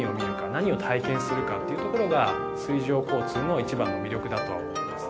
何を体験するか？っていうところが水上交通のいちばんの魅力だとは思います。